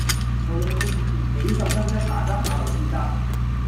無論你以前幾咁陰騭嗱喳下流賤格